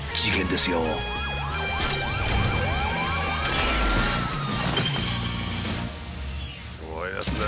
すごいですね。